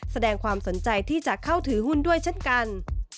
แสดงความสนใจที่จะเข้าถือหุ้นด้วยเช่นกัน